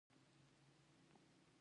سرکټ د برېښنا بشپړ لاره ده.